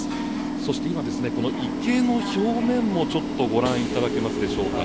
そして今、池の表面もご覧いただけますでしょうか。